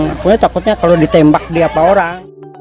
aku ini takutnya kalau ditembak diapa orang